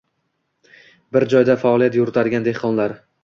– bir joyda faoliyat yuritadigan dehqonlar